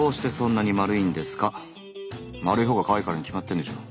丸いほうがカワイイからに決まってんでしょ。